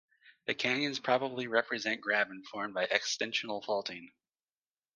The canyons probably represent graben formed by extensional faulting.